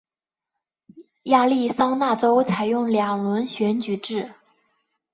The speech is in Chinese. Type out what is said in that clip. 亚利桑那州采用两轮选举制。